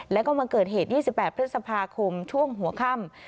แล้วก็มาเกิดเหตุ๒๘พฤษภาคมช่วงหัวค่ำ